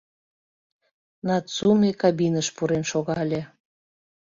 Нацуме кабиныш пурен шогале.